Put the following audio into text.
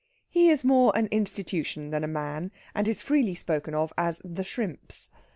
He is more an institution than a man, and is freely spoken of as "The Shrimps."